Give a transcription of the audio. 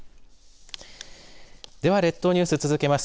では列島ニュース続けます。